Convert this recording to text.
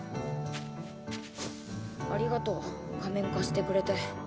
ありがとう仮面貸してくれて。